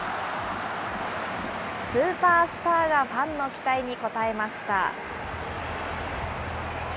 スーパースターがファンの期待に応えました。